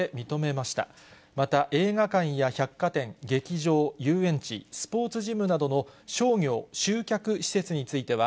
また、映画館や百貨店、劇場、遊園地、スポーツジムなどの商業・集客施設については、